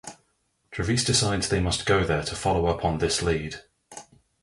Trevize decides that they must go there to follow up on this lead.